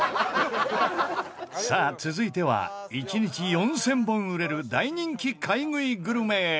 さあ続いては１日４０００本売れる大人気買い食いグルメへ！